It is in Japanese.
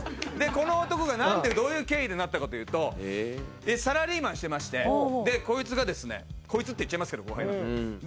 この男がなんでどういう経緯でなったかというとサラリーマンしてましてこいつがですねこいつって言っちゃいますけど後輩なので。